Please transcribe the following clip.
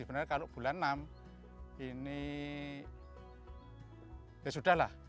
sebenarnya kalau bulan enam ini ya sudah lah